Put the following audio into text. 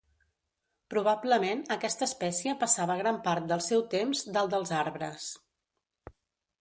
Probablement aquesta espècie passava gran part del seu temps dalt dels arbres.